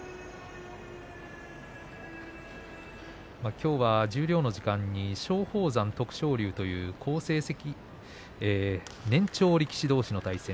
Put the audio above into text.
きょうは十両の時間に松鳳山、徳勝龍という好年長力士どうしの対戦。